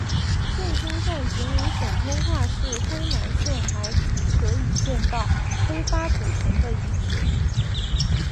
现今在吉林省通化市辉南县里还可以见到辉发古城的遗址。